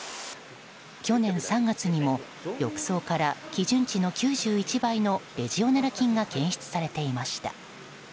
去年３月にも浴槽から基準値の９１倍のレジオネラ菌が検出されていました。